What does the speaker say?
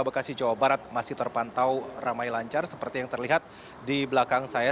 bekasi jawa barat masih terpantau ramai lancar seperti yang terlihat di belakang saya